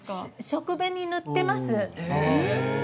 食紅を塗っています。